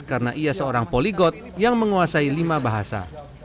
karena ia seorang poligot yang menguasai lima bahasa